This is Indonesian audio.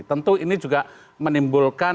tentu ini juga menyebabkan